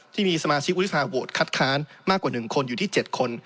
ที่มีสมาชิกวุฒิภาโหวตคัดค้านมากกว่า๑คนอยู่ที่๗คน